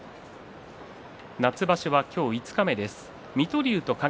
夏場所は今日、五日目です。